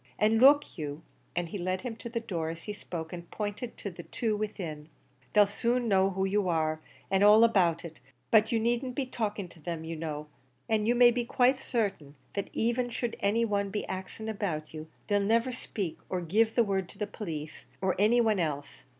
An' look you," and he led him to the door as he spoke, and pointed to the two within "they'll soon know who you are, an' all about it; but you needn't be talking to them, you know; an' you may be quite certain, that even should any one be axing about you, they'll niver 'peach, or give the word to the police, or any one else.